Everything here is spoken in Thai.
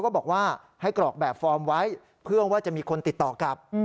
บอกว่าให้กรอกแบบฟอร์มไว้เพื่อว่าจะมีคนติดต่อกลับ